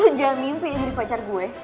lo jangan mimpi jadi pacar gue